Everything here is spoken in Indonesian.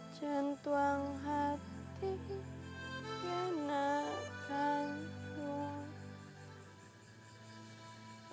jentuang hati ya nakaloh